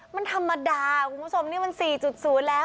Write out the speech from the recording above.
มันธรรมดาคุณผู้ชมนี่มัน๔๐แล้ว